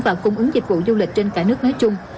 và cung ứng dịch vụ du lịch trên cả nước nói chung